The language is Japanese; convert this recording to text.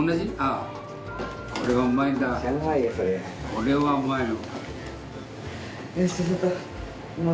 これはうまいよ。